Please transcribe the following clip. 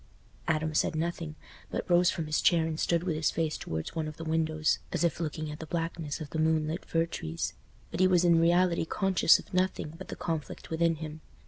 Adam said nothing, but rose from his chair and stood with his face towards one of the windows, as if looking at the blackness of the moonlit fir trees; but he was in reality conscious of nothing but the conflict within him.